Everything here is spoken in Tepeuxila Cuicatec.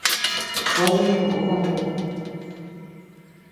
Gua neʼe koʼo bakud.